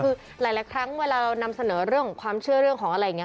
คือหลายครั้งเวลาเรานำเสนอเรื่องของความเชื่อเรื่องของอะไรอย่างนี้